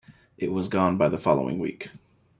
It was gone by the following week.